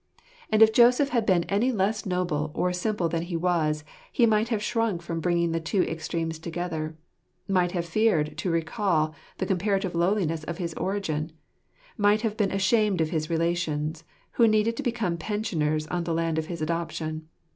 And if Joseph had been any less noble or simple than he was, he might have shrunk from bringing the two extremes together; might have feared to recal the comparative lowliness of his origin ; might have been ashamed of his relations, who needed to become pensioners on the land of his adoption.